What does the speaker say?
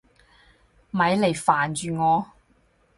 咪嚟煩住我！